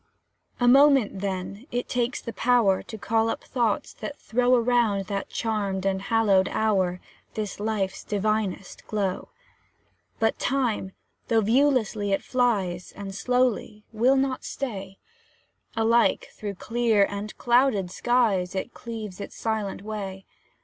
A moment, then, it takes the power To call up thoughts that throw Around that charmed and hallowed hour, This life's divinest glow. But Time, though viewlessly it flies, And slowly, will not stay; Alike, through clear and clouded skies, It cleaves its silent way.